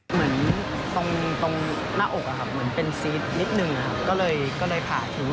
เหมือนตรงหน้าอกนะคะเหมือนเป็นซีสนิดนึงก็เลยผ่าถึง